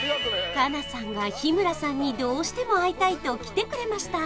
佳奈さんが日村さんにどうしても会いたいと来てくれました